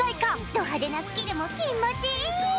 ド派手なスキルも気持ちいい！